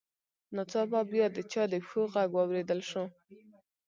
ناڅاپه بیا د چا د پښو غږ واورېدل شو